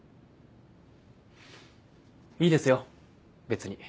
いいですよ別に。